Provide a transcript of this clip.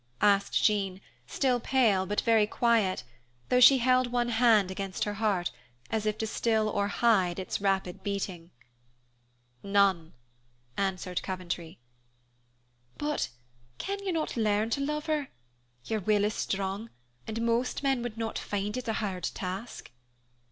asked Jean, still pale, but very quiet, though she held one hand against her heart, as if to still or hide its rapid beating. "None," answered Coventry. "But can you not learn to love her? Your will is strong, and most men would not find it a hard task."